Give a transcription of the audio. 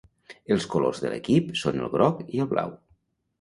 Els colors de l'equip són el groc i el blau.